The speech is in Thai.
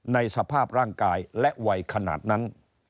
ในสภาพร่างกายและวัยขนาดนั้น